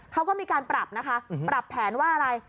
เขาก็มีการปรับนะคะปรับแผนว่าอะไร